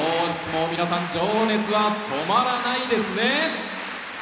皆さん、情熱は止まらないですね。